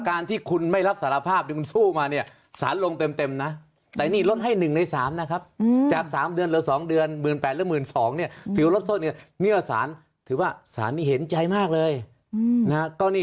การที่คุณไม่รับสารภาพสู้มาเนี่ยสารลงเต็มนะแต่นี่